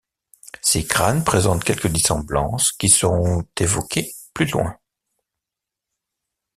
Ces crânes présentent quelques dissemblances qui seront évoquées plus loin.